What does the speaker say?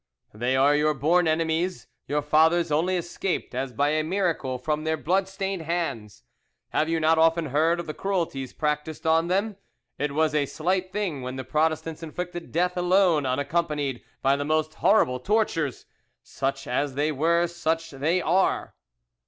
"They are your born enemies: your fathers only escaped as by a miracle from their blood stained hands. Have you not often heard of the cruelties practised on them? It was a slight thing when the Protestants inflicted death alone, unaccompanied by the most horrible tortures. Such as they were such they are."